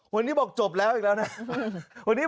วันนี้บอกจบแล้วอีกแล้วนะ